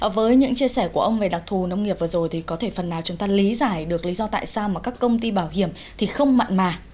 với những chia sẻ của ông về đặc thù nông nghiệp vừa rồi thì có thể phần nào chúng ta lý giải được lý do tại sao mà các công ty bảo hiểm thì không mặn mà